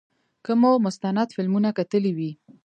که مو مستند فلمونه کتلي وي.